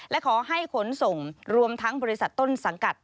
และขอให้ขนส่งรวมทั้งบริษัทต้นสังกัด